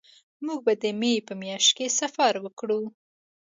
مونږ به د مې په میاشت کې سفر وکړو